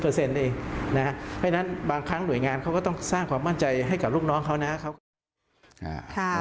เพราะฉะนั้นบางครั้งหน่วยงานเขาก็ต้องสร้างความมั่นใจให้กับลูกน้องเขานะเขาก็